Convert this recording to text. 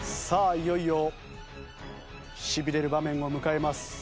いよいよしびれる場面を迎えます。